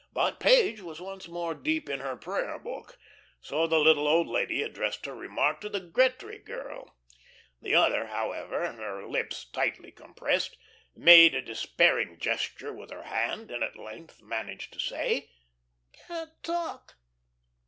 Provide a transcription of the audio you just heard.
But Page was once more deep in her prayer book, so the little old lady addressed her remark to the Gretry girl. This other, however, her lips tightly compressed, made a despairing gesture with her hand, and at length managed to say: "Can't talk."